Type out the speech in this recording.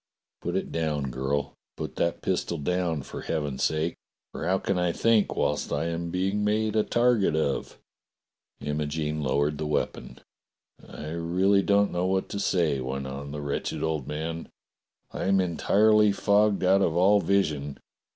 "Put it down, girl ! Put that pistol down for heaven's sake, for how can I think whilst I am being made a target of?" Imogene lowered the weapon. *'I really don't know what to say," went on the wretched old man. "I am entirely fogged out of all vision.